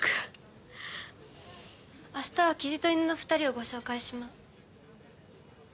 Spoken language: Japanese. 明日はキジとイヌの２人をご紹介しま。